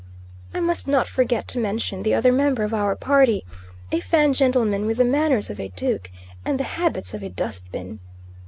I must not forget to mention the other member of our party, a Fan gentleman with the manners of a duke and the habits of a dustbin.